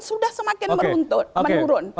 sudah semakin menurun